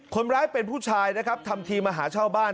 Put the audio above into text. คนร้ายเป็นผู้ชายนะครับทำทีมาหาเช่าบ้าน